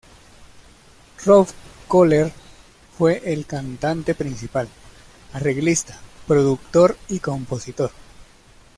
Rolf Köhler fue el cantante principal, arreglista, productor y compositor.